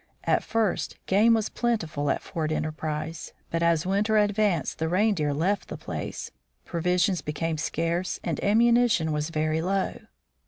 At first game was plentiful at Fort Enterprise, but as winter advanced the reindeer left the place, provisions became scarce, and ammunition was very low.